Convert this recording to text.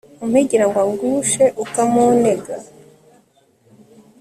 umpigira ngo angushe ukamunega